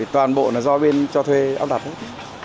toàn bộ là do bên cho thuê áp đặt hết